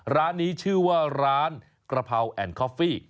ร้านนี้ชื่อว่าร้านกระเพราแอนดคอฟฟี่